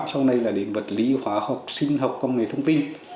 sau này là đến vật lý hóa học sinh học công nghệ thông tin